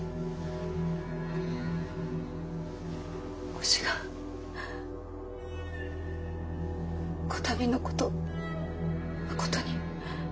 お志賀こたびのことまことに。